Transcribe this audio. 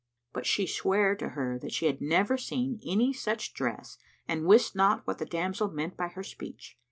But she sware to her that she had never seen any such dress and wist not what the damsel meant by her speech.